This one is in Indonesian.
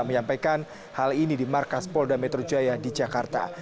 menyampaikan hal ini di markas polda metro jaya di jakarta